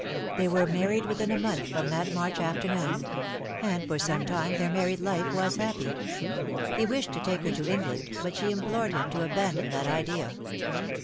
They were married within a month from that March after noon ; and for some time their married life was happy. He wished to take her to England, but she implored him to abandon that idea.